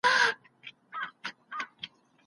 ایا خدای ټولو شیانو ته نومونه ایښي دي؟